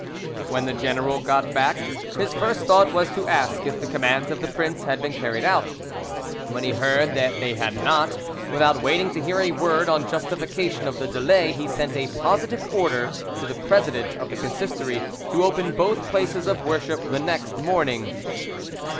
When the general got back, his first thought was to ask if the commands of the prince had been carried out, and when he heard that they had not, without waiting to hear a word in justification of the delay, he sent a positive order to the president of the Consistory to open both places of worship the next morning.